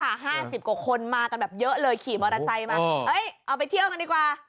ห้าสิบกว่าคนมากันแบบเยอะเลยขี่มอเตอร์ไซค์มาเอ้ยเอาไปเที่ยวกันดีกว่า